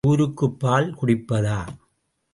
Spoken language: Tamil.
ஊருக்குப் பால் குடிப்பதா?